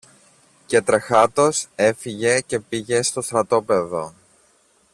Και τρεχάτος έφυγε και πήγε στο στρατόπεδο.